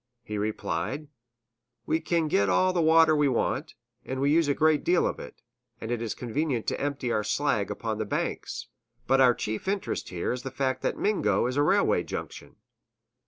He replied: "We can get all the water we want, and we use a great deal of it; and it is convenient to empty our slag upon the banks; but our chief interest here is in the fact that Mingo is a railway junction."